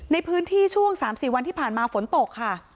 ในพื้นที่ช่วงสามสี่วันที่ผ่านมาฝนตกค่ะ